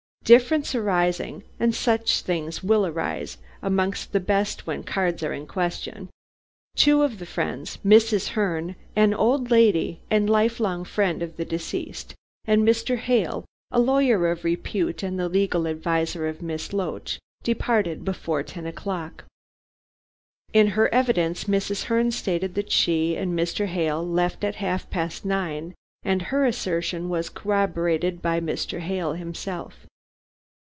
Difference arising and such things will arise amongst the best when cards are in question two of the friends, Mrs. Herne, an old lady and life long friend of the deceased, and Mr. Hale, a lawyer of repute and the legal adviser of Miss Loach, depart before ten o'clock. In her evidence Mrs. Herne stated that she and Mr. Hale left at half past nine, and her assertion was corroborated by Mr. Hale himself.